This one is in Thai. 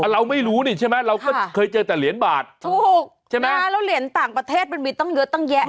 เราไม่รู้นี่ใช่ไหมเราก็เคยเจอแต่เหรียญบาทถูกใช่ไหมแล้วเหรียญต่างประเทศมันมีตั้งเยอะตั้งแยะ